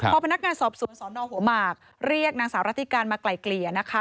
พอพนักงานสอบสวนสนหัวหมากเรียกนางสาวรัติการมาไกลเกลี่ยนะคะ